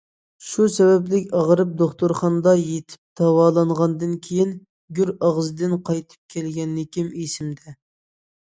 شۇ سەۋەبلىك ئاغرىپ دوختۇرخانىدا يېتىپ داۋالانغاندىن كېيىن گۆر ئاغزىدىن قايتىپ كەلگەنلىكىم ئېسىمدە.